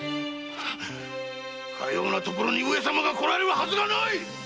かようなところに上様が来られるはずがない！